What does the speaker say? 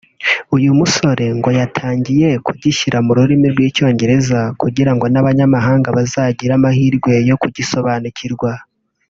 uyu musore ngo yatangiye kugishyira mu rurimi rw'icyongereza kugirango n'abanyamahanga bazagire amahirwe yo kugisobanukirwa